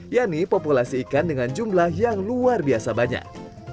yakni populasi ikan dengan jumlah yang luar biasa banyak